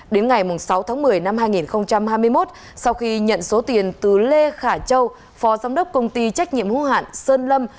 đến ngày sáu tháng một mươi năm hai nghìn hai mươi một sau khi nhận số tiền từ lê khả châu phó giám đốc công ty trách nhiệm hữu hạn sơn lâm